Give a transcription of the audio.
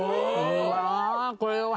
うわあこれは。